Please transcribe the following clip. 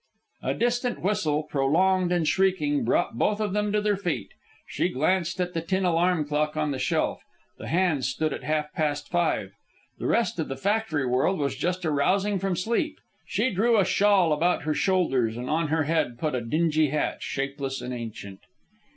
A distant whistle, prolonged and shrieking, brought both of them to their feet. She glanced at the tin alarm clock on the shelf. The hands stood at half past five. The rest of the factory world was just arousing from sleep. She drew a shawl about her shoulders, and on her head put a dingy hat, shapeless and ancient.